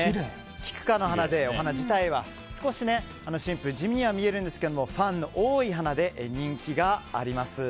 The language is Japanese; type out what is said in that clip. キク科の花で、お花自体は少しシンプル地味には見えるんですけどファンの多い花で人気があります。